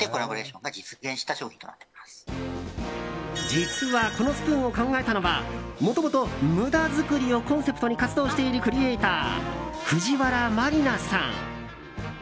実はこのスプーンを考えたのはもともと無駄づくりをコンセプトに活動しているクリエーター、藤原麻里菜さん。